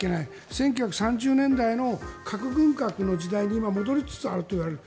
１９３０年代の核軍拡の時代に今、戻りつつあるといわれる。